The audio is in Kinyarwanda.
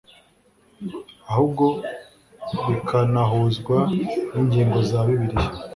ahubwo bikanahuzwa ningingo za Bibiliya